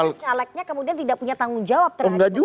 kalau calegnya kemudian tidak punya tanggung jawab terhadap itu